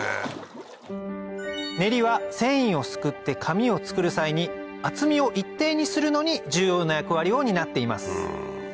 ネリは繊維をすくって紙を作る際に厚みを一定にするのに重要な役割を担っています